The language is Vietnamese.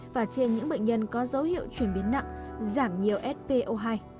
và trên những bệnh nhân có dấu hiệu chuyển biến nặng giảm nhiều spo hai